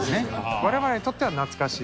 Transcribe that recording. われわれにとっては懐かしい。